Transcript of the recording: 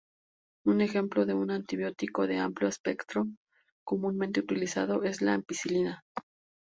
Un ejemplo de un antibiótico de amplio espectro, comúnmente utilizado, es la ampicilina.